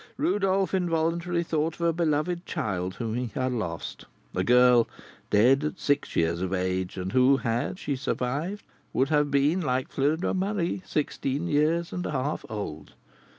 Rodolph involuntarily thought of a beloved child whom he had lost, a girl, dead at six years of age, and who, had she survived, would have been, like Fleur de Marie, sixteen years and a half old.